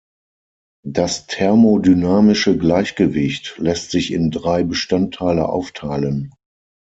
Das thermodynamische Gleichgewicht lässt sich in drei Bestandteile aufteilen.